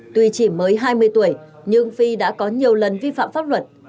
tuy chỉ mới hai mươi tuổi nhưng phi đã có nhiều lần vi phạm pháp luật